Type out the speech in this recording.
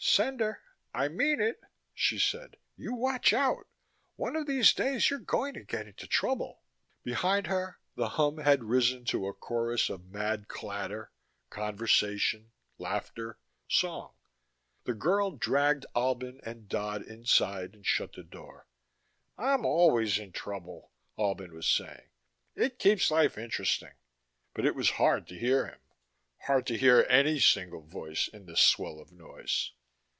"Cendar, I mean it," she said. "You watch out. One of these days you're going to get into trouble." Behind her the hum had risen to a chorus of mad clatter, conversation, laughter, song the girl dragged Albin and Dodd inside and shut the door. "I'm always in trouble," Albin was saying. "It keeps life interesting." But it was hard to hear him, hard to hear any single voice in the swell of noise.